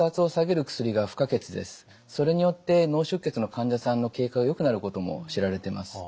それによって脳出血の患者さんの経過がよくなることも知られてます。